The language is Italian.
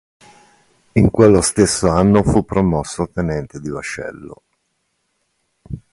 In quello stesso anno fu promosso tenente di vascello.